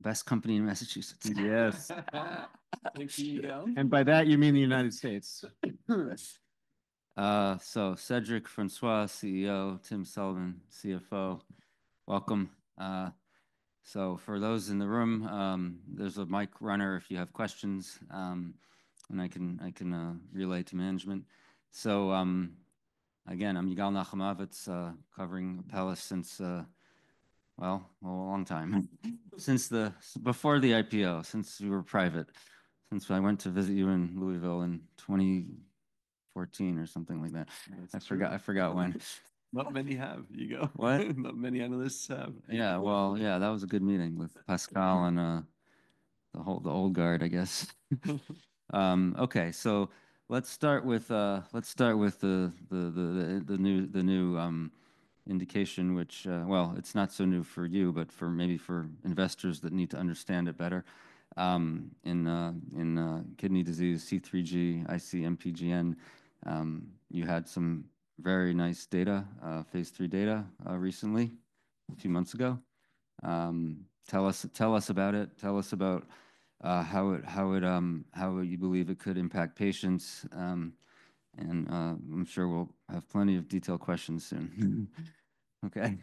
Best company in Massachusetts. Yes. Thank you. And by that, you mean the United States. So Cedric Francois, CEO. Tim Sullivan, CFO. Welcome. So for those in the room, there's a mic runner if you have questions, and I can relay to management. So, again, I'm Yigal Nochomovitz, covering Apellis since, well, a long time. Since before the IPO, since we were private, since I went to visit you in Louisville in 2014 or something like that. I forgot when. Not many have. You go. What? Not many analysts have. Yeah, well, that was a good meeting with Pascal and the whole old guard, I guess. Okay, so let's start with the new indication, which, well, it's not so new for you, but maybe for investors that need to understand it better. In kidney disease, C3G, ICMPGN, you had some very nice data, phase three data, recently, a few months ago. Tell us about it. Tell us about how you believe it could impact patients, and I'm sure we'll have plenty of detailed questions soon. Okay.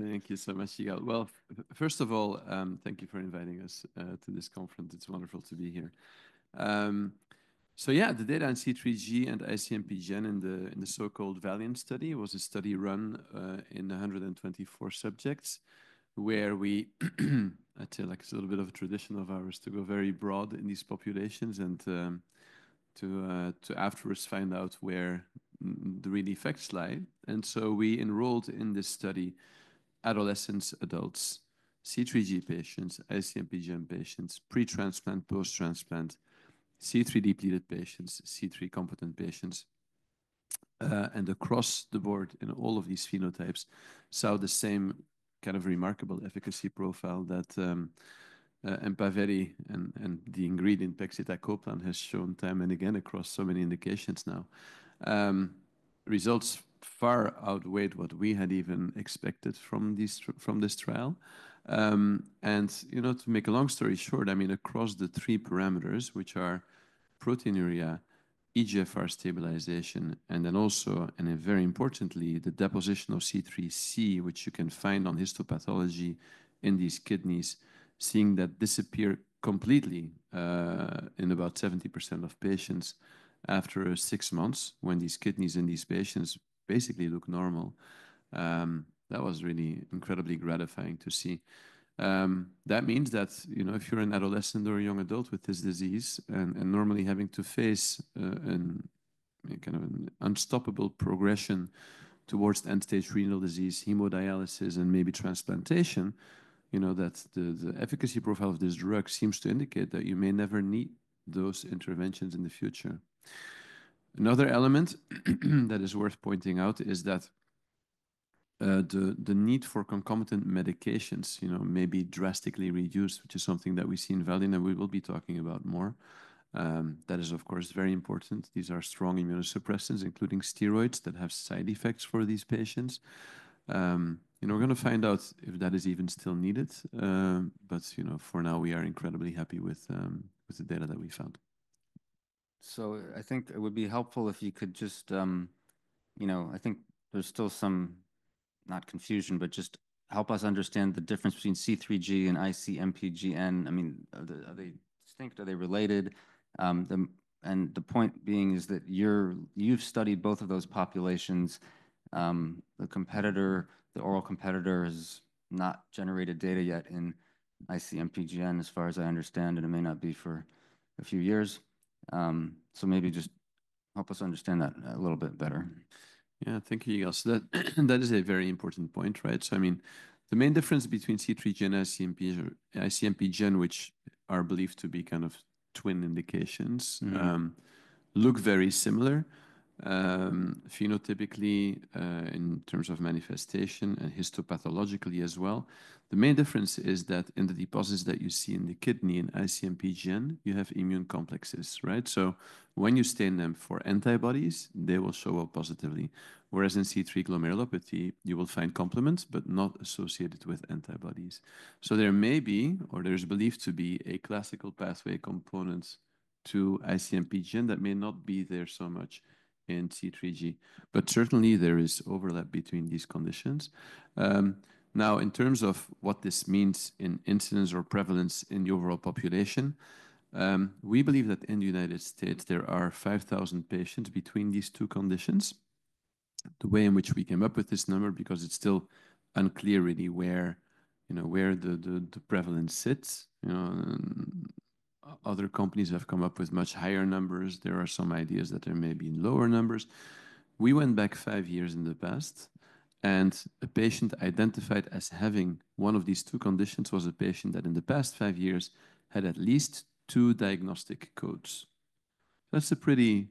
Thank you so much, Yigal. Well, first of all, thank you for inviting us to this conference. It's wonderful to be here, so yeah, the data on C3G and IC-MPGN in the so-called VALIANT study was a study run in 124 subjects where we, like, a little bit of a tradition of ours to go very broad in these populations and to afterwards find out where the real effects lie, and so we enrolled in this study: adolescents, adults, C3G patients, IC-MPGN patients, pre-transplant, post-transplant, C3 depleted patients, C3 competent patients, and across the board in all of these phenotypes, saw the same kind of remarkable efficacy profile that Empaveli and the ingredient pegcetacoplan has shown time and again across so many indications now. Results far outweighed what we had even expected from this trial. And, you know, to make a long story short, I mean, across the three parameters, which are proteinuria, eGFR stabilization, and then also, and very importantly, the deposition of C3c, which you can find on histopathology in these kidneys, seeing that disappear completely, in about 70% of patients after six months when these kidneys in these patients basically look normal. That was really incredibly gratifying to see. That means that, you know, if you're an adolescent or a young adult with this disease and normally having to face a kind of an unstoppable progression towards end-stage renal disease, hemodialysis, and maybe transplantation, you know, that the efficacy profile of this drug seems to indicate that you may never need those interventions in the future. Another element that is worth pointing out is that, the need for concomitant medications, you know, may be drastically reduced, which is something that we see in VALIANT and we will be talking about more. That is, of course, very important. These are strong immunosuppressants, including steroids, that have side effects for these patients. You know, we're going to find out if that is even still needed. But, you know, for now, we are incredibly happy with the data that we found. So, I think it would be helpful if you could just, you know, I think there's still some—not confusion, but just help us understand the difference between C3G and ICMPGN. I mean, are they—are they distinct? Are they related? The—and the point being is that you're—you've studied both of those populations. The competitor, the oral competitor, has not generated data yet in ICMPGN, as far as I understand, and it may not be for a few years. So, maybe just help us understand that a little bit better. Yeah, thank you, Yigal. So that is a very important point, right? So, I mean, the main difference between C3G and ICMPGN, which are believed to be kind of twin indications, look very similar, phenotypically, in terms of manifestation and histopathologically as well. The main difference is that in the deposits that you see in the kidney in ICMPGN, you have immune complexes, right? So when you stain them for antibodies, they will show up positively. Whereas in C3 glomerulopathy, you will find complements, but not associated with antibodies. So there may be, or there's believed to be, a classical pathway component to ICMPGN that may not be there so much in C3G. But certainly, there is overlap between these conditions. Now, in terms of what this means in incidence or prevalence in the overall population, we believe that in the United States, there are 5,000 patients between these two conditions. The way in which we came up with this number, because it's still unclear really where, you know, where the prevalence sits, you know, and other companies have come up with much higher numbers. There are some ideas that there may be lower numbers. We went back five years in the past, and a patient identified as having one of these two conditions was a patient that in the past five years had at least two diagnostic codes. That's a pretty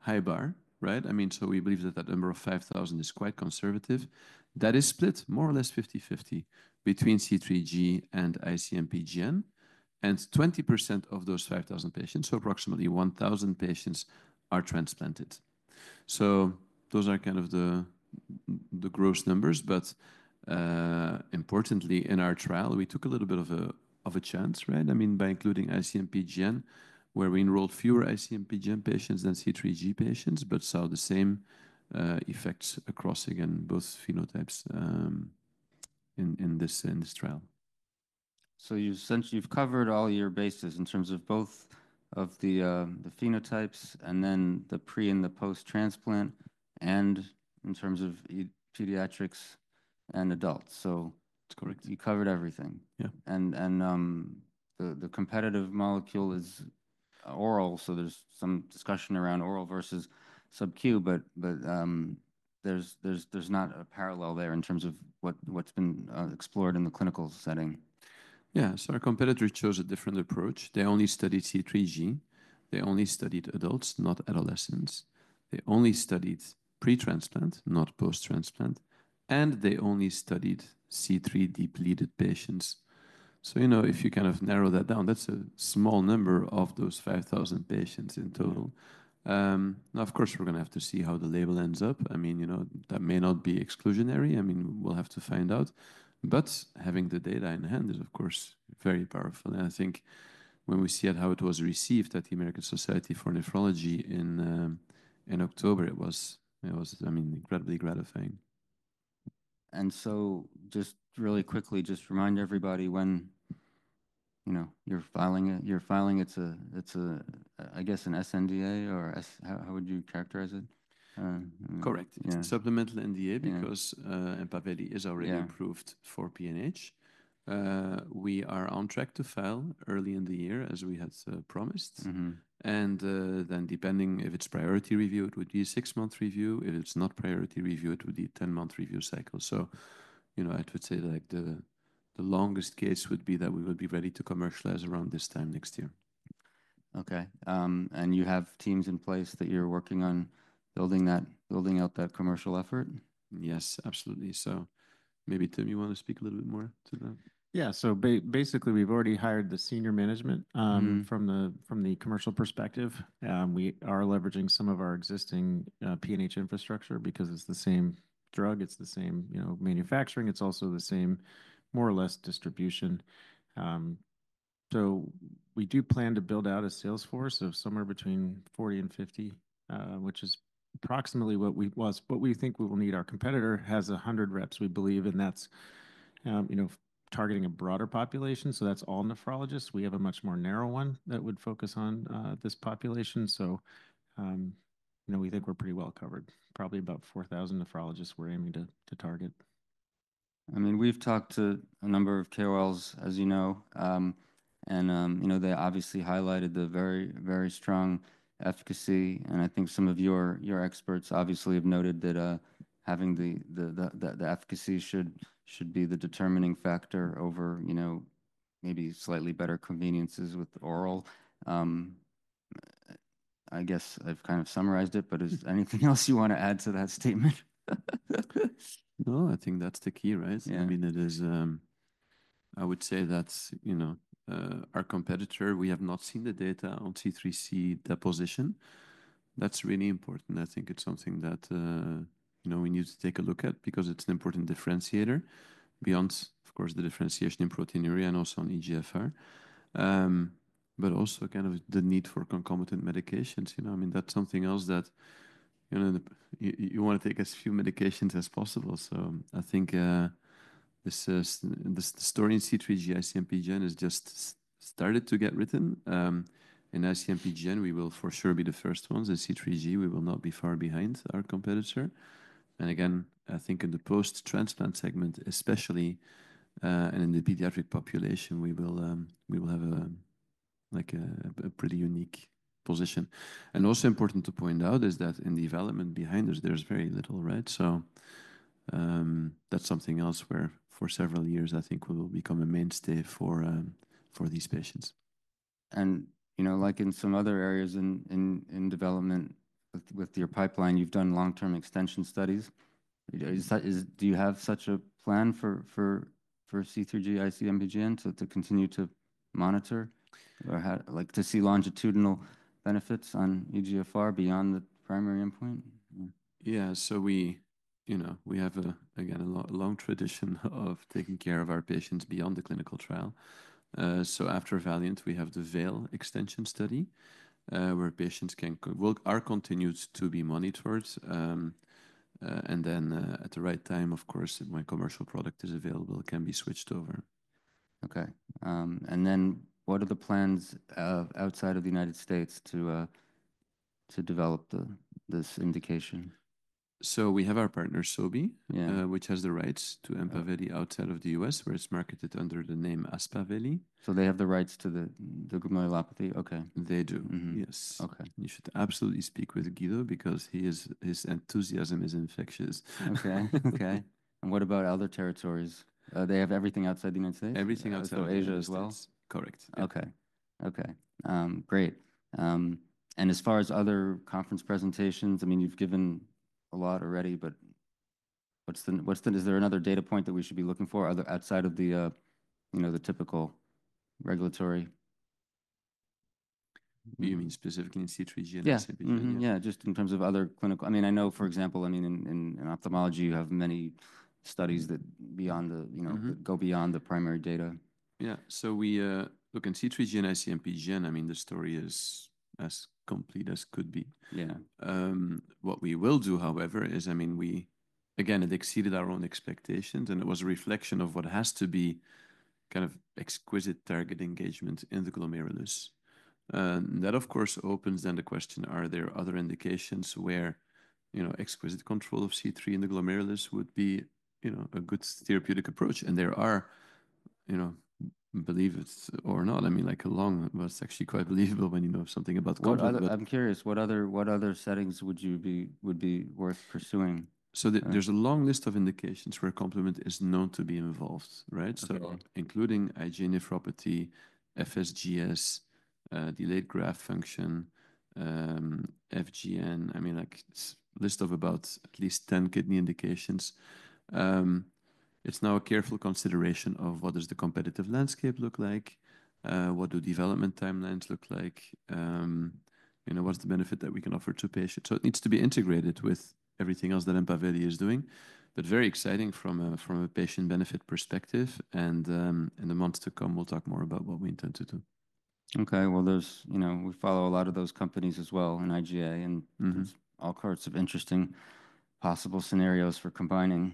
high bar, right? I mean, so we believe that that number of 5,000 is quite conservative. That is split more or less 50-50 between C3G and IC-MPGN, and 20% of those 5,000 patients, so approximately 1,000 patients, are transplanted. So those are kind of the gross numbers, but, importantly, in our trial, we took a little bit of a chance, right? I mean, by including IC-MPGN, where we enrolled fewer IC-MPGN patients than C3G patients, but saw the same effects across again both phenotypes, in this trial. So you've since—you've covered all your bases in terms of both of the phenotypes and then the pre and the post-transplant, and in terms of pediatrics and adults. So. That's correct. You covered everything. Yeah. The competitive molecule is oral, so there's some discussion around oral versus subq, but there's not a parallel there in terms of what's been explored in the clinical setting. Yeah, so our competitor chose a different approach. They only studied C3G. They only studied adults, not adolescents. They only studied pre-transplant, not post-transplant, and they only studied C3 depleted patients. So, you know, if you kind of narrow that down, that's a small number of those 5,000 patients in total. Now, of course, we're going to have to see how the label ends up. I mean, you know, that may not be exclusionary. I mean, we'll have to find out. But having the data in hand is, of course, very powerful. And I think when we see how it was received at the American Society of Nephrology in October, it was, I mean, incredibly gratifying. And so just really quickly, just remind everybody when, you know, you're filing it. It's a, I guess, an sNDA or s-how would you characterize it? Correct. Yeah. Supplemental NDA because Empaveli is already approved for PNH. We are on track to file early in the year, as we had promised. Then depending if it's priority review, it would be a six-month review. If it's not priority review, it would be a 10-month review cycle. You know, I'd say like the longest case would be that we would be ready to commercialize around this time next year. Okay. And you have teams in place that you're working on building out that commercial effort? Yes, absolutely. So maybe, Tim, you want to speak a little bit more to that? Yeah. So basically, we've already hired the senior management from the commercial perspective. We are leveraging some of our existing PNH infrastructure because it's the same drug, it's the same, you know, manufacturing, it's also the same more or less distribution. So we do plan to build out a sales force of somewhere between 40 and 50, which is approximately what we think we will need. Our competitor has 100 reps, we believe, and that's, you know, targeting a broader population. So that's all nephrologists. We have a much more narrow one that would focus on this population. So, you know, we think we're pretty well covered. Probably about 4,000 nephrologists we're aiming to target. I mean, we've talked to a number of KOLs, as you know, and, you know, they obviously highlighted the very, very strong efficacy. I think some of your experts obviously have noted that, having the efficacy should be the determining factor over, you know, maybe slightly better conveniences with oral. I guess I've kind of summarized it, but is there anything else you want to add to that statement? No, I think that's the key, right? Yeah. I mean, it is. I would say that's, you know, our competitor. We have not seen the data on C3c deposition. That's really important. I think it's something that, you know, we need to take a look at because it's an important differentiator beyond, of course, the differentiation in proteinuria and also on eGFR, but also kind of the need for concomitant medications, you know. I mean, that's something else that, you know, you want to take as few medications as possible. So I think, this—this story in C3G, IC-MPGN, has just started to get written. In IC-MPGN, we will for sure be the first ones. In C3G, we will not be far behind our competitor. And again, I think in the post-transplant segment, especially, and in the pediatric population, we will, we will have a, like, a pretty unique position. Also important to point out is that in the development behind us, there's very little, right? So, that's something else where for several years, I think we will become a mainstay for these patients. You know, like in some other areas in development with your pipeline, you've done long-term extension studies. Do you have such a plan for C3G, IC-MPGN, to continue to monitor or have, like, to see longitudinal benefits on eGFR beyond the primary endpoint? Yeah. We, you know, have a long tradition of taking care of our patients beyond the clinical trial. After VALIANT, we have the VALE extension study, where patients will continue to be monitored. Then, at the right time, of course, when commercial product is available, they can be switched over. Okay. And then what are the plans outside of the United States to develop this indication? So we have our partner, Sobi, which has the rights to Empaveli outside of the U.S., where it's marketed under the name Aspaveli. So they have the rights to the glomerulopathy. Okay. They do. Yes. Okay. You should absolutely speak with Guido because his enthusiasm is infectious. Okay. Okay. And what about other territories? They have everything outside the United States? Everything outside of Asia as well. Correct. Okay. Okay. Great. And as far as other conference presentations, I mean, you've given a lot already, but what's the— is there another data point that we should be looking for other outside of the, you know, the typical regulatory? You mean specifically in C3G and ICMPGN? Yeah. Just in terms of other clinical, I mean, I know, for example, in ophthalmology, you have many studies, you know, that go beyond the primary data. Yeah. So we look in C3G and IC-MPGN. I mean, the story is as complete as could be. Yeah. What we will do, however, is, I mean, we, again, it exceeded our own expectations, and it was a reflection of what has to be kind of exquisite target engagement in the glomerulus. That, of course, opens then the question, are there other indications where, you know, exquisite control of C3 in the glomerulus would be, you know, a good therapeutic approach? And there are, you know, believe it or not, I mean, like a long, well, it's actually quite believable when you know something about complements. I'm curious, what other settings would be worth pursuing? So there's a long list of indications where complement is known to be involved, right? Okay. So, including IgA Nephropathy, FSGS, Delayed Graft Function, FGN, I mean, like a list of about at least 10 kidney indications. It's now a careful consideration of what does the competitive landscape look like, what do development timelines look like, you know, what's the benefit that we can offer to patients. So it needs to be integrated with everything else that Empaveli is doing, but very exciting from a patient benefit perspective. And, in the months to come, we'll talk more about what we intend to do. Okay. Well, there's, you know, we follow a lot of those companies as well in IGA, and it's all sorts of interesting possible scenarios for combining,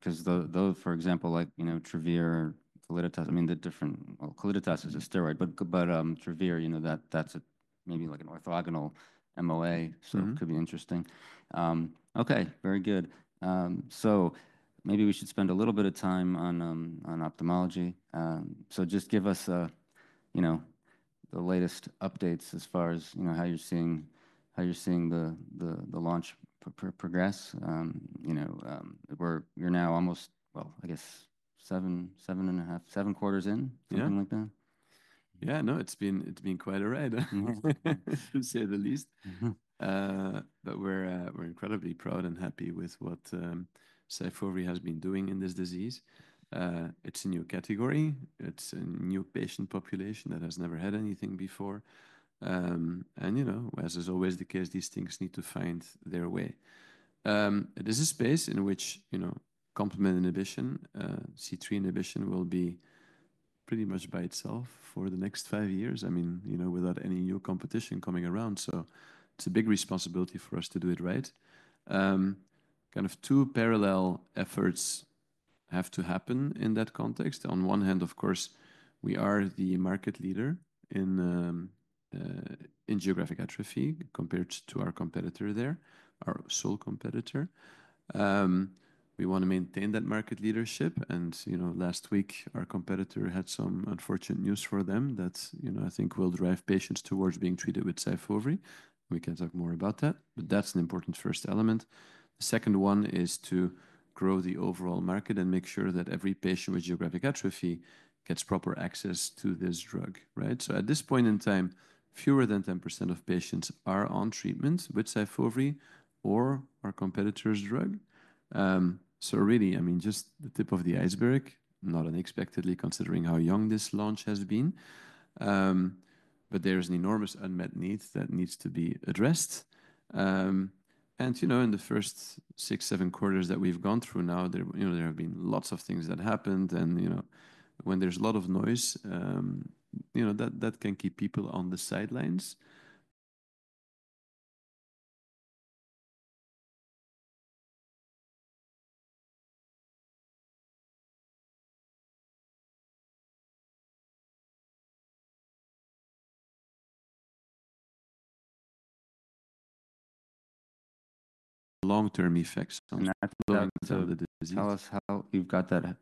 because, though, for example, like, you know, Travere, Calliditas. I mean, the different. Well, Calliditas is a steroid, but, Travere, you know, that's a maybe like an orthogonal MOA, so it could be interesting. Okay, very good. So maybe we should spend a little bit of time on ophthalmology. So just give us, you know, the latest updates as far as, you know, how you're seeing the launch progress. You know, you're now almost, well, I guess, seven, seven and a half, seven quarters in, something like that? Yeah. Yeah, no, it's been, it's been quite a ride, to say the least. But we're, we're incredibly proud and happy with what, Syfovre has been doing in this disease. It's a new category. It's a new patient population that has never had anything before. And, you know, as is always the case, these things need to find their way. There's a space in which, you know, complement inhibition, C3 inhibition will be pretty much by itself for the next five years, I mean, you know, without any new competition coming around. So it's a big responsibility for us to do it right. Kind of two parallel efforts have to happen in that context. On one hand, of course, we are the market leader in, in geographic atrophy compared to our competitor there, our sole competitor. We want to maintain that market leadership. You know, last week, our competitor had some unfortunate news for them that, you know, I think will drive patients towards being treated with Syfovre. We can talk more about that, but that's an important first element. The second one is to grow the overall market and make sure that every patient with geographic atrophy gets proper access to this drug, right? At this point in time, fewer than 10% of patients are on treatment with Syfovre or our competitor's drug. Really, I mean, just the tip of the iceberg, not unexpectedly considering how young this launch has been. There is an enormous unmet need that needs to be addressed. You know, in the first six, seven quarters that we've gone through now, there, you know, there have been lots of things that happened. You know, when there's a lot of noise, you know, that can keep people on the sidelines. Long-term effects of the disease. Tell us how you've got that.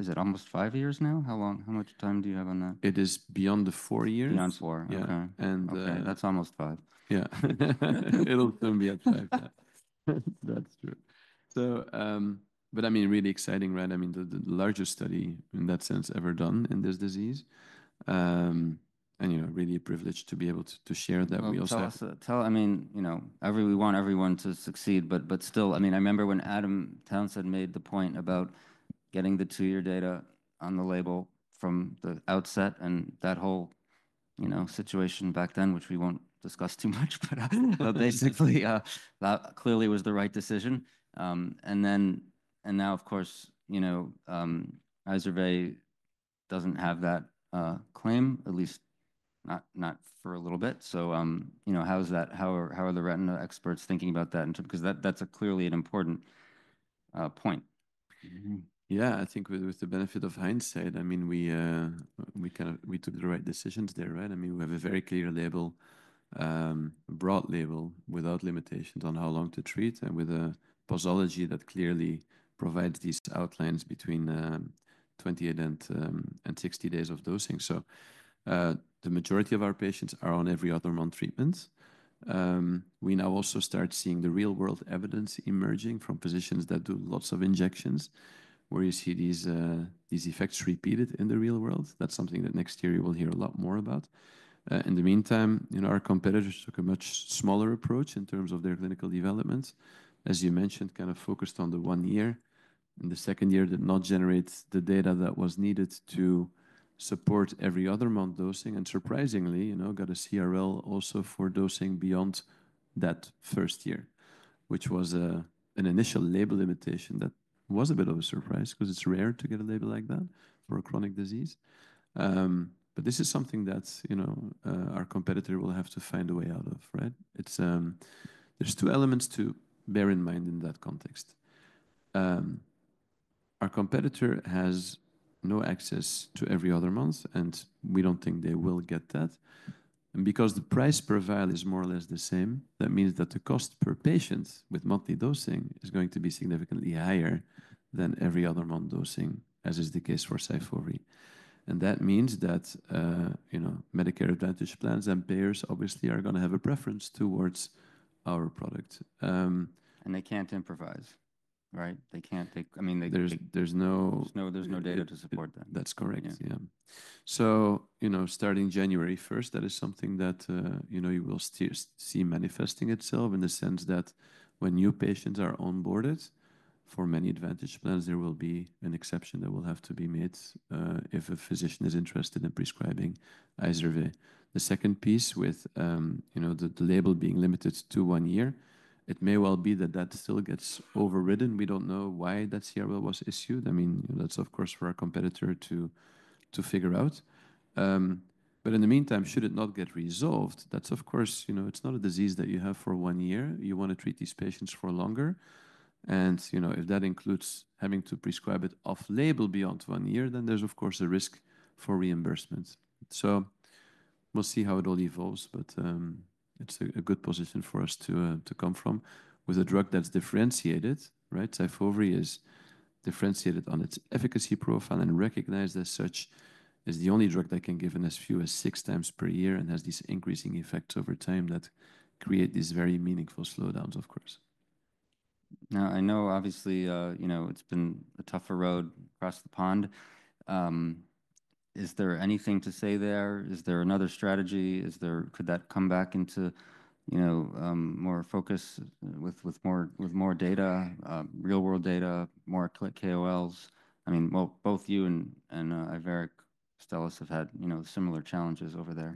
Is it almost five years now? How long? How much time do you have on that? It is beyond the four years. Beyond four. Okay. And that's almost five. Yeah. It'll soon be at five. That's true. So, but I mean, really exciting, right? I mean, the largest study in that sense ever done in this disease. And, you know, really a privilege to be able to share that we also. I mean, you know, we want everyone to succeed, but still, I mean, I remember when Adam Townsend made the point about getting the two-year data on the label from the outset and that whole, you know, situation back then, which we won't discuss too much, but basically, clearly was the right decision. Then, now, of course, you know, Izervay doesn't have that claim, at least not for a little bit. So, you know, how's that? How are the retina experts thinking about that in terms of, because that's clearly an important point. Yeah, I think with the benefit of hindsight, I mean, we kind of took the right decisions there, right? I mean, we have a very clear label, broad label without limitations on how long to treat and with a posology that clearly provides these outlines between 28 and 60 days of dosing. So, the majority of our patients are on every other month treatments. We now also start seeing the real-world evidence emerging from physicians that do lots of injections where you see these effects repeated in the real world. That's something that next year you will hear a lot more about. In the meantime, you know, our competitors took a much smaller approach in terms of their clinical development, as you mentioned, kind of focused on the one year. In the second year, did not generate the data that was needed to support every other month dosing. And surprisingly, you know, got a CRL also for dosing beyond that first year, which was an initial label limitation that was a bit of a surprise because it's rare to get a label like that for a chronic disease, but this is something that, you know, our competitor will have to find a way out of, right? It's, there's two elements to bear in mind in that context. Our competitor has no access to every other month, and we don't think they will get that. And because the price per vial is more or less the same, that means that the cost per patient with monthly dosing is going to be significantly higher than every other month dosing, as is the case for Syfovre. That means that, you know, Medicare Advantage plans and payers obviously are going to have a preference towards our product. They can't improvise, right? They can't, I mean, they. There's no. There's no data to support that. That's correct. Yeah. So, you know, starting January 1st, that is something that, you know, you will see manifesting itself in the sense that when new patients are onboarded for many advantage plans, there will be an exception that will have to be made, if a physician is interested in prescribing Izervay. The second piece with, you know, the label being limited to one year, it may well be that that still gets overridden. We don't know why that CRL was issued. I mean, you know, that's of course for our competitor to figure out. But in the meantime, should it not get resolved, that's of course, you know, it's not a disease that you have for one year. You want to treat these patients for longer. You know, if that includes having to prescribe it off-label beyond one year, then there's of course a risk for reimbursement. So we'll see how it all evolves, but it's a good position for us to come from with a drug that's differentiated, right? Syfovre is differentiated on its efficacy profile and recognized as such as the only drug that can give in as few as six times per year and has these increasing effects over time that create these very meaningful slowdowns, of course. Now, I know obviously, you know, it's been a tougher road across the pond. Is there anything to say there? Is there another strategy? Is there, could that come back into, you know, more focus with more data, real-world data, more KOLs? I mean, well, both you and Iveric Bio have had, you know, similar challenges over there.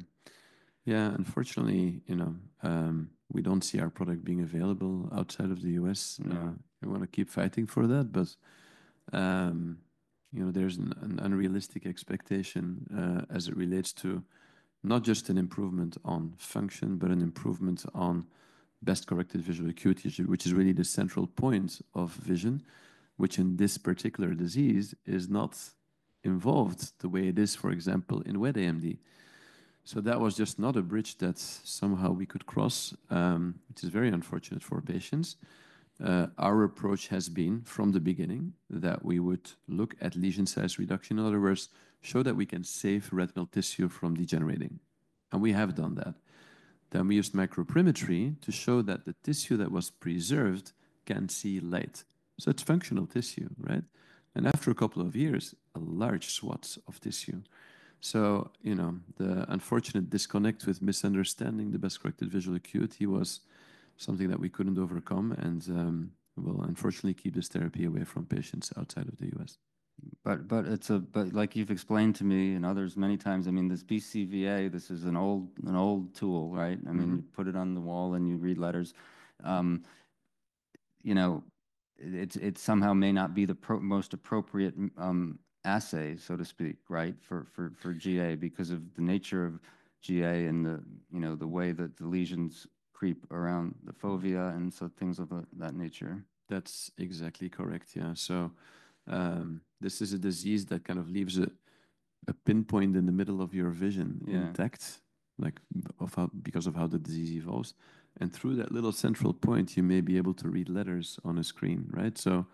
Yeah, unfortunately, you know, we don't see our product being available outside of the U.S. We want to keep fighting for that, but, you know, there's an unrealistic expectation, as it relates to not just an improvement on function, but an improvement on best corrected visual acuity, which is really the central point of vision, which in this particular disease is not involved the way it is, for example, in wet AMD. So that was just not a bridge that somehow we could cross, which is very unfortunate for patients. Our approach has been from the beginning that we would look at lesion size reduction, in other words, show that we can save retinal tissue from degenerating, and we have done that, then we used microperimetry to show that the tissue that was preserved can see light. So it's functional tissue, right? After a couple of years, a large swath of tissue. You know, the unfortunate disconnect with misunderstanding the best corrected visual acuity was something that we couldn't overcome and will unfortunately keep this therapy away from patients outside of the U.S. But like you've explained to me and others many times, I mean, this BCVA, this is an old tool, right? I mean, you put it on the wall and you read letters, you know. It's somehow may not be the most appropriate assay, so to speak, right? For GA because of the nature of GA and the, you know, the way that the lesions creep around the fovea and so things of that nature. That's exactly correct. Yeah. So, this is a disease that kind of leaves a pinpoint in the middle of your vision intact, like of how, because of how the disease evolves. And through that little central point, you may be able to read letters on a screen, right? So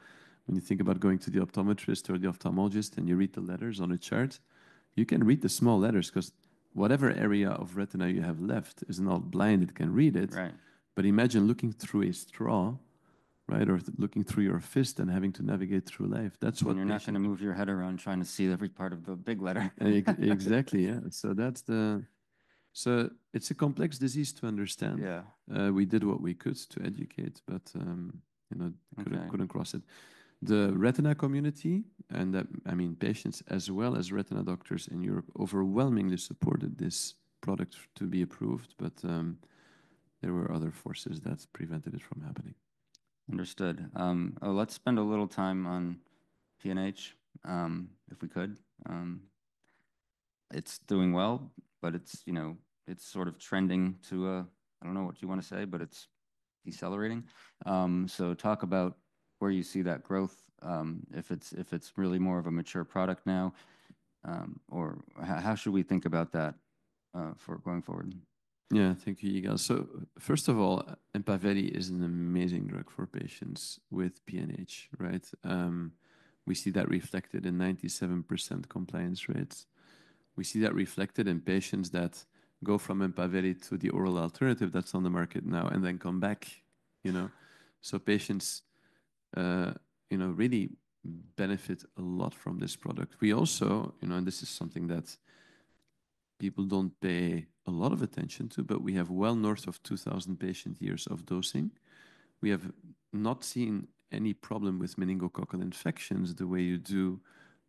when you think about going to the optometrist or the ophthalmologist and you read the letters on a chart, you can read the small letters because whatever area of retina you have left is not blind, it can read it. Right. but imagine looking through a straw, right? Or looking through your fist and having to navigate through life. That's what. You're not going to move your head around trying to see every part of the big letter. Exactly. Yeah. So that's the, so it's a complex disease to understand. Yeah. We did what we could to educate, but, you know, couldn't cross it. The retina community and that, I mean, patients as well as retina doctors in Europe overwhelmingly supported this product to be approved, but, there were other forces that prevented it from happening. Understood. Let's spend a little time on PNH, if we could. It's doing well, but it's, you know, it's sort of trending to a, I don't know what you want to say, but it's decelerating, so talk about where you see that growth, if it's, if it's really more of a mature product now, or how should we think about that, for going forward? Yeah, thank you, Igor. So first of all, Empaveli is an amazing drug for patients with PNH, right? We see that reflected in 97% compliance rates. We see that reflected in patients that go from Empaveli to the oral alternative that's on the market now and then come back, you know. So patients, you know, really benefit a lot from this product. We also, you know, and this is something that people don't pay a lot of attention to, but we have well north of 2,000 patient years of dosing. We have not seen any problem with meningococcal infections the way you do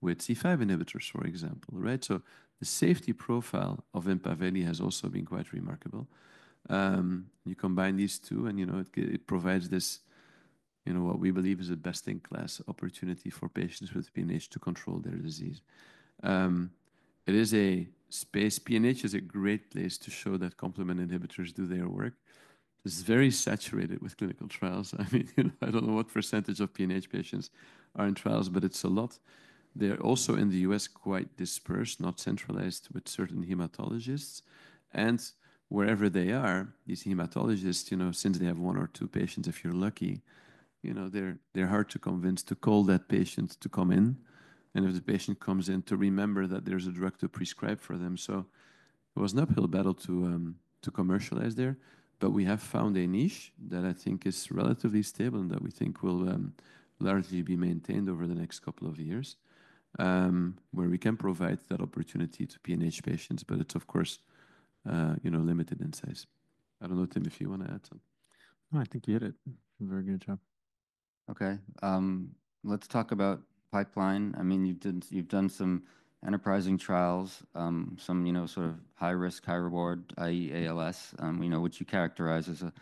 with C5 inhibitors, for example, right? So the safety profile of Empaveli has also been quite remarkable. You combine these two and, you know, it provides this, you know, what we believe is a best-in-class opportunity for patients with PNH to control their disease. It is a space. PNH is a great place to show that complement inhibitors do their work. It's very saturated with clinical trials. I mean, you know, I don't know what percentage of PNH patients are in trials, but it's a lot. They're also in the U.S. quite dispersed, not centralized with certain hematologists. And wherever they are, these hematologists, you know, since they have one or two patients, if you're lucky, you know, they're, they're hard to convince to call that patient to come in. And if the patient comes in to remember that there's a drug to prescribe for them. So it was an uphill battle to commercialize there, but we have found a niche that I think is relatively stable and that we think will largely be maintained over the next couple of years, where we can provide that opportunity to PNH patients, but it's of course, you know, limited in size. I don't know, Tim, if you want to add some. No, I think we hit it. Very good job. Okay. Let's talk about pipeline. I mean, you've done some enterprising trials, some, you know, sort of high risk, high reward, i.e., ALS. We know what you characterize as a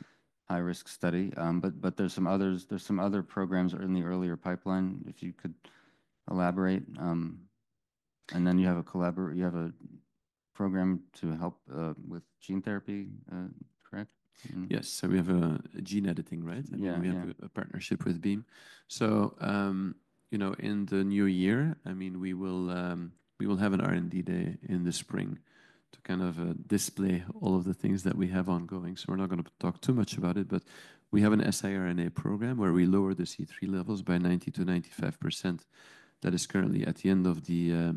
high risk study, but there are some others, some other programs that are in the earlier pipeline, if you could elaborate, and then you have a collaboration, a program to help with gene therapy, correct? Yes. So we have a gene editing, right? And we have a partnership with Beam. So, you know, in the new year, I mean, we will, we will have an R&D day in the spring to kind of, display all of the things that we have ongoing. So we're not going to talk too much about it, but we have a siRNA program where we lower the C3 levels by 90%-95%. That is currently at the end of the,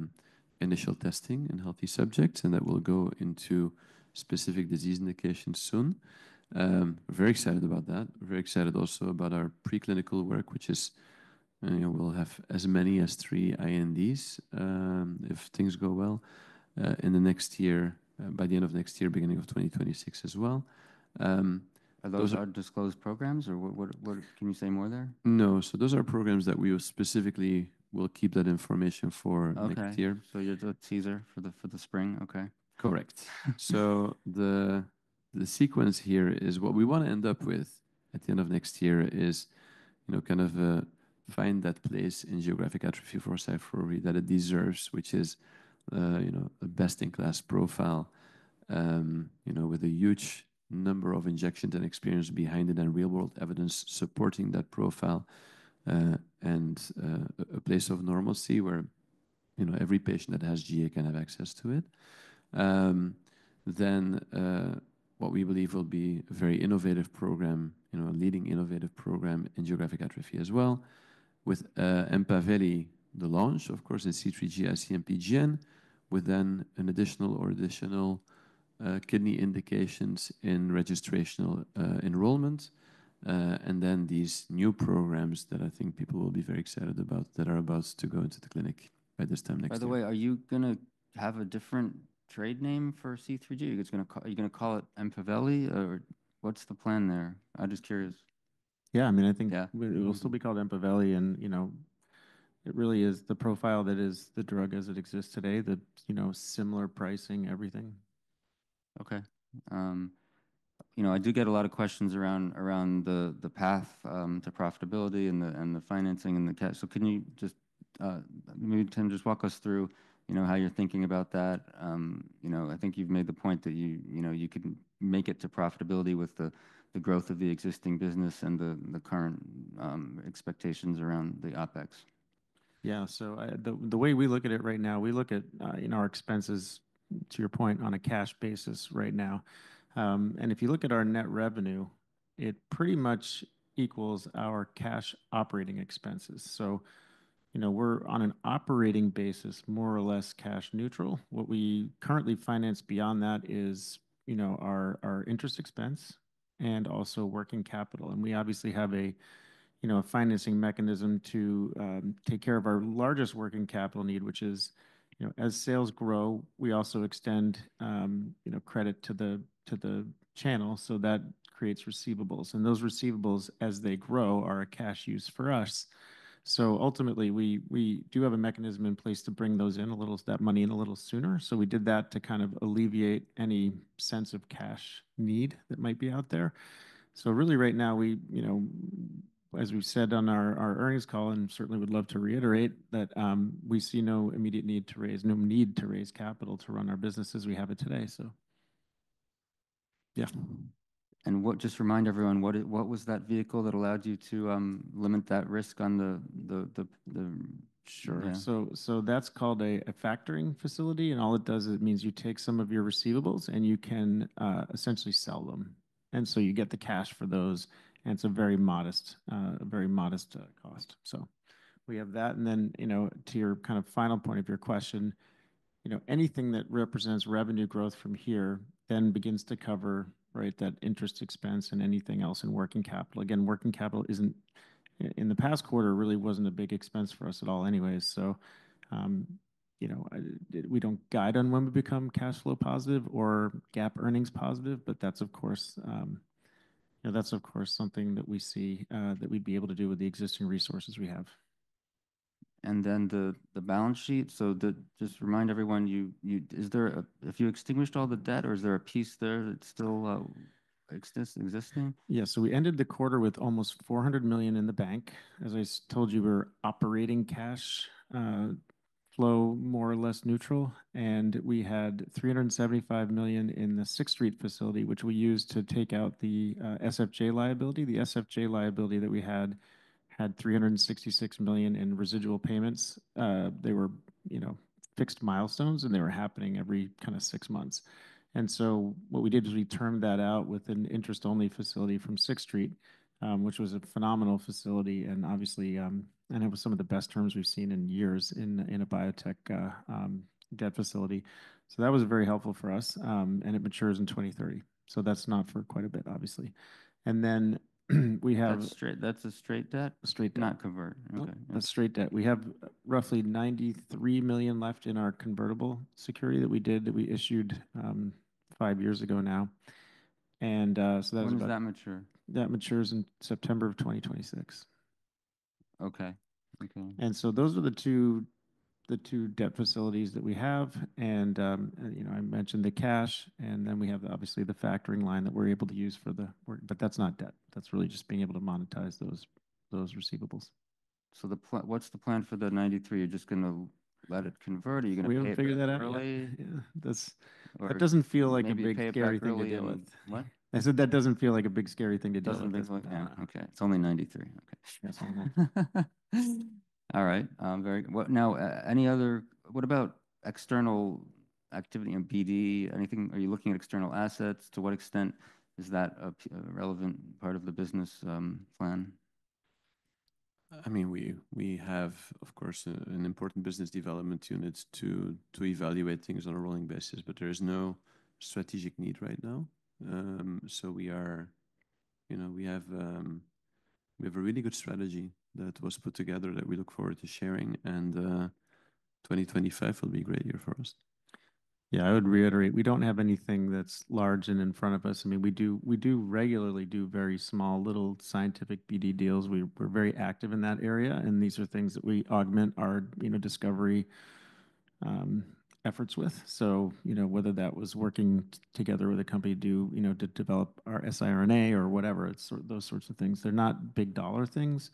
initial testing in healthy subjects and that will go into specific disease indications soon. Very excited about that. Very excited also about our preclinical work, which is, you know, we'll have as many as three INDs, if things go well, in the next year, by the end of next year, beginning of 2026 as well. Are those our disclosed programs or what? What can you say more there? No. Those are programs that we specifically will keep that information for next year. Okay. So you're doing a teaser for the spring. Okay. Correct. So the sequence here is what we want to end up with at the end of next year is, you know, kind of a find that place in geographic atrophy for Syfovre that it deserves, which is, you know, a best-in-class profile, you know, with a huge number of injections and experience behind it and real-world evidence supporting that profile, and a place of normalcy where, you know, every patient that has GA can have access to it. Then, what we believe will be a very innovative program, you know, a leading innovative program in geographic atrophy as well with Empaveli, the launch, of course, in C3G, IC-MPGN, with then an additional kidney indications in registrational enrollment. And then these new programs that I think people will be very excited about that are about to go into the clinic by this time next year. By the way, are you going to have a different trade name for C3G? It's going to, you're going to call it Empaveli or what's the plan there? I'm just curious. Yeah. I mean, I think it will still be called Empaveli and, you know, it really is the profile that is the drug as it exists today, the, you know, similar pricing, everything. Okay. You know, I do get a lot of questions around the path to profitability and the financing and the cash. So can you just, maybe Tim, just walk us through, you know, how you're thinking about that? You know, I think you've made the point that you know, you can make it to profitability with the growth of the existing business and the current expectations around the OpEx. Yeah. So the way we look at it right now, we look at you know, our expenses to your point on a cash basis right now and if you look at our net revenue, it pretty much equals our cash operating expenses. So you know, we're on an operating basis, more or less cash neutral. What we currently finance beyond that is you know, our interest expense and also working capital. And we obviously have a you know, a financing mechanism to take care of our largest working capital need, which is you know, as sales grow, we also extend you know, credit to the channel. So that creates receivables. And those receivables, as they grow, are a cash use for us. So ultimately, we do have a mechanism in place to bring that money in a little sooner. So we did that to kind of alleviate any sense of cash need that might be out there. So really right now, we, you know, as we've said on our earnings call, and certainly would love to reiterate that, we see no immediate need to raise, no need to raise capital to run our business as we have it today. So, yeah. Just remind everyone, what was that vehicle that allowed you to limit that risk on the. Sure. Yeah. So that's called a factoring facility. And all it does, it means you take some of your receivables and you can essentially sell them. And so you get the cash for those. And it's a very modest cost. So we have that. And then, you know, to your kind of final point of your question, you know, anything that represents revenue growth from here then begins to cover, right, that interest expense and anything else in working capital. Again, working capital wasn't, in the past quarter, really a big expense for us at all anyways. So, you know, we don't guide on when we become cash flow positive or GAAP earnings positive, but that's of course, you know, that's of course something that we see that we'd be able to do with the existing resources we have. The balance sheet. Just remind everyone if you extinguished all the debt or is there a piece there that's still existing? Yeah. So we ended the quarter with almost $400 million in the bank. As I told you, we're operating cash flow more or less neutral. And we had $375 million in the Sixth Street facility, which we used to take out the SFJ liability. The SFJ liability that we had had $366 million in residual payments. They were, you know, fixed milestones and they were happening every kind of six months. And so what we did is we turned that out with an interest-only facility from Sixth Street, which was a phenomenal facility. And obviously, and it was some of the best terms we've seen in years in a biotech debt facility. So that was very helpful for us. And it matures in 2030. So that's not for quite a bit, obviously. And then we have. That's straight, that's a straight debt. Straight debt. Not convert. Okay. That's straight debt. We have roughly $93 million left in our convertible security that we did, that we issued, five years ago now. And so that was about. When was that mature? That matures in September of 2026. Okay. Okay. And so those are the two debt facilities that we have. And, you know, I mentioned the cash and then we have obviously the factoring line that we're able to use for the work, but that's not debt. That's really just being able to monetize those receivables. So the plan, what's the plan for the 93? You're just going to let it convert or you're going to pay it for it? We'll figure that out. That's, that doesn't feel like a big scary thing to deal with. What? I said that doesn't feel like a big scary thing to deal with. Doesn't feel like that. Okay. It's only 93. Okay. All right. Very good. Well, now, any other? What about external activity and BD? Anything, are you looking at external assets? To what extent is that a relevant part of the business plan? I mean, we have of course an important business development unit to evaluate things on a rolling basis, but there is no strategic need right now. So we are, you know, we have a really good strategy that was put together that we look forward to sharing. And 2025 will be a great year for us. Yeah, I would reiterate, we don't have anything that's large and in front of us. I mean, we do regularly do very small little scientific BD deals. We're very active in that area. And these are things that we augment our, you know, discovery efforts with. So you know, whether that was working together with a company to you know to develop our siRNA or whatever, it's those sorts of things. They're not big dollar things.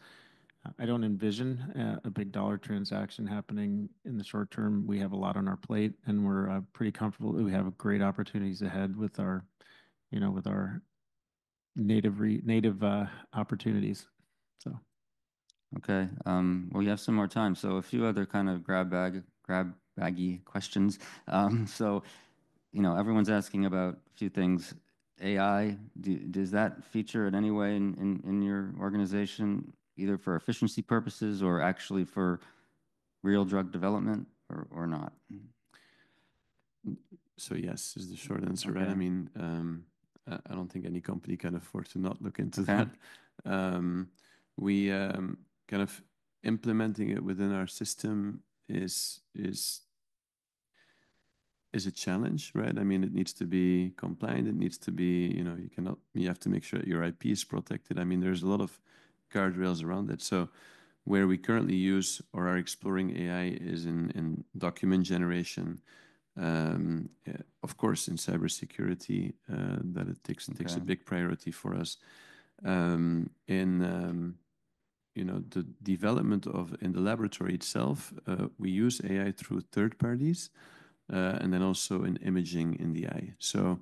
I don't envision a big dollar transaction happening in the short term. We have a lot on our plate and we're pretty comfortable. We have great opportunities ahead with our, you know, with our native opportunities. So. Okay. Well, you have some more time. So a few other kind of grab bag, grab baggy questions. So, you know, everyone's asking about a few things. AI, does that feature in any way in your organization, either for efficiency purposes or actually for real drug development or not? So yes, is the short answer, right? I mean, I don't think any company can afford to not look into that. We, kind of implementing it within our system is a challenge, right? I mean, it needs to be compliant. It needs to be, you know, you cannot, you have to make sure that your IP is protected. I mean, there's a lot of guardrails around it. So where we currently use or are exploring AI is in document generation. Of course, in cybersecurity, it takes a big priority for us. In, you know, the development of, in the laboratory itself, we use AI through third parties, and then also in imaging in the eye. So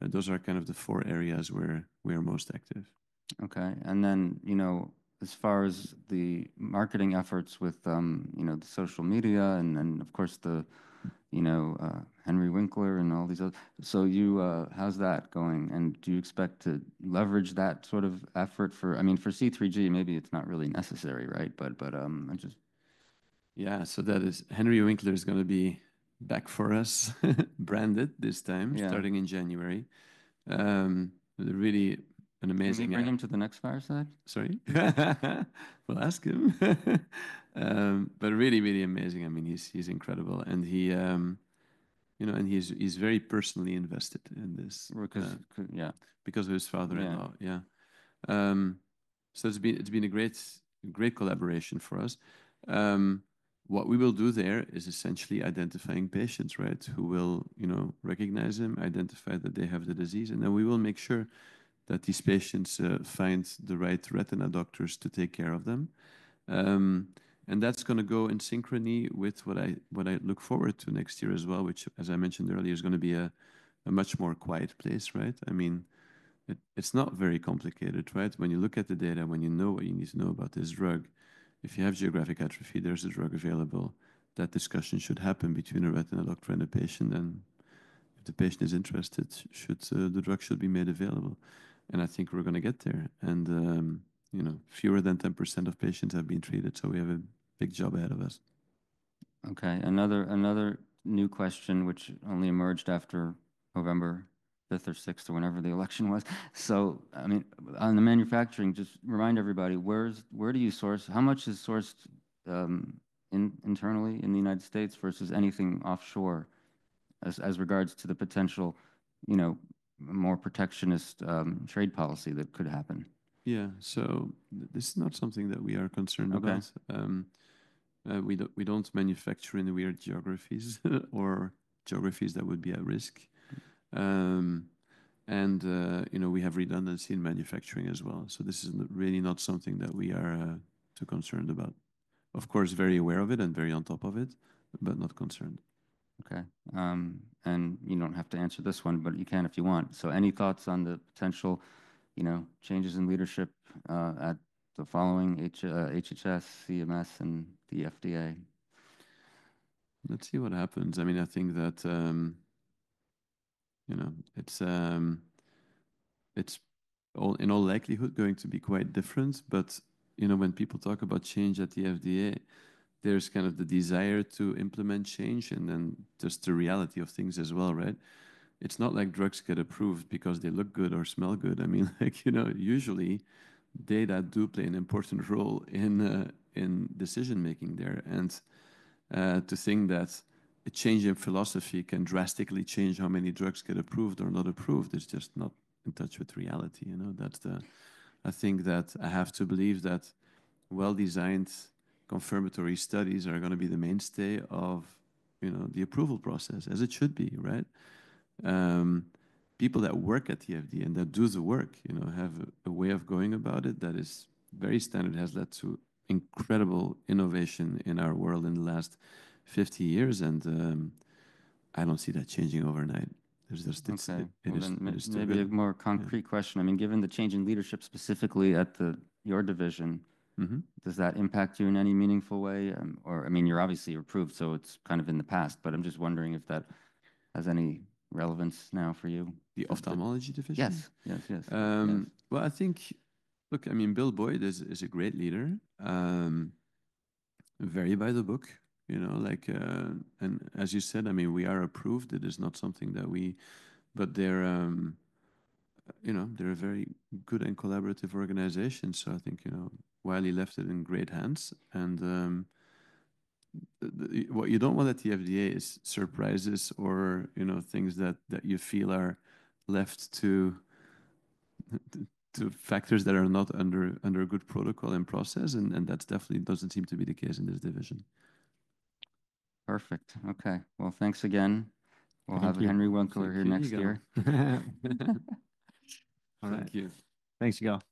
those are kind of the four areas where we are most active. Okay. And then, you know, as far as the marketing efforts with, you know, the social media and of course the, you know, Henry Winkler and all these other, so you, how's that going? And do you expect to leverage that sort of effort for, I mean, for C3G, maybe it's not really necessary, right? But, I just. Yeah. So that is, Henry Winkler is going to be back for us, branded this time, starting in January. Really an amazing. Can you bring him to the next fireside? Sorry. We'll ask him, but really, really amazing. I mean, he's incredible. You know, he's very personally invested in this. Because, yeah, because of his father-in-law. Yeah. So it's been a great, great collaboration for us. What we will do there is essentially identifying patients, right, who will, you know, recognize them, identify that they have the disease, and then we will make sure that these patients find the right retina doctors to take care of them, and that's going to go in synchrony with what I look forward to next year as well, which, as I mentioned earlier, is going to be a much more quiet place, right? I mean, it's not very complicated, right? When you look at the data, when you know what you need to know about this drug, if you have geographic atrophy, there's a drug available. That discussion should happen between a retina doctor and a patient, and if the patient is interested, the drug should be made available. And I think we're going to get there. And, you know, fewer than 10% of patients have been treated. So we have a big job ahead of us. Okay. Another, another new question, which only emerged after November 5th or 6th or whenever the election was. So, I mean, on the manufacturing, just remind everybody, where do you source? How much is sourced internally in the United States versus anything offshore as regards to the potential, you know, more protectionist trade policy that could happen? Yeah. So this is not something that we are concerned about. We don't manufacture in the weird geographies or geographies that would be at risk. And, you know, we have redundancy in manufacturing as well. So this is really not something that we are too concerned about. Of course, very aware of it and very on top of it, but not concerned. Okay. And you don't have to answer this one, but you can if you want. So any thoughts on the potential, you know, changes in leadership at the following HHS, CMS, and the FDA? Let's see what happens. I mean, I think that, you know, it's all in all likelihood going to be quite different. But, you know, when people talk about change at the FDA, there's kind of the desire to implement change and then just the reality of things as well, right? It's not like drugs get approved because they look good or smell good. I mean, like, you know, usually data do play an important role in decision making there, and to think that a change in philosophy can drastically change how many drugs get approved or not approved is just not in touch with reality. You know, that's the, I think that I have to believe that well-designed confirmatory studies are going to be the mainstay of, you know, the approval process as it should be, right? People that work at the FDA and that do the work, you know, have a way of going about it that is very standard, has led to incredible innovation in our world in the last 50 years, and I don't see that changing overnight. There's just, it's just. Okay. Maybe a more concrete question. I mean, given the change in leadership specifically at your division, does that impact you in any meaningful way? Or I mean, you're obviously approved, so it's kind of in the past, but I'm just wondering if that has any relevance now for you. The ophthalmology division? Yes. Yes. Yes. Well, I think, look, I mean, Bill Boyd is a great leader, very by the book, you know, like, and as you said, I mean, we are approved. It is not something that we, but they're, you know, they're a very good and collaborative organization. So I think, you know, while he left it in great hands and, what you don't want at the FDA is surprises or, you know, things that you feel are left to factors that are not under a good protocol and process. And that definitely doesn't seem to be the case in this division. Perfect. Okay. Well, thanks again. We'll have Henry Winkler here next year. Thank you. Thanks, Joe.